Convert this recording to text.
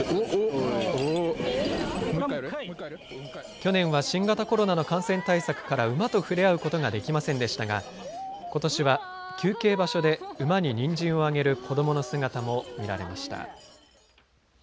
去年は新型コロナの感染対策から馬と触れ合うことができませんでしたがことしは休憩場所で馬ににんじんをあげる子どもの姿も見られました。